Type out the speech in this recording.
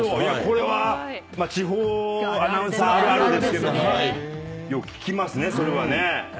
これは地方アナウンサーあるあるですけどもよく聞きますねそれはね。